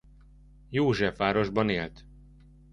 Józsefvárosban élt.